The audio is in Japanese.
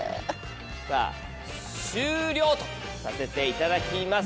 さぁ終了とさせていただきます。